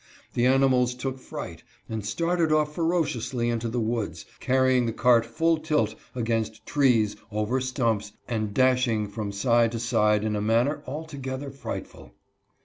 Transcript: The animals took fright, and started off ferociously into the woods, carrying the cart full tilt against trees, over stumps, and dashing from side to side FUNNY EXPERIENCE. 145 in a manner altogether frightful.